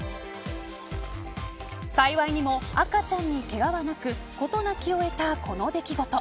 幸いにも、赤ちゃんにけがはなく事なきを得たこの出来事。